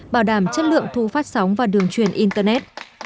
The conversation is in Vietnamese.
bảo đảm chất lượng thu phát sóng và đường truyền internet